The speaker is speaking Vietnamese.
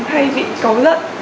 hay bị có lẫn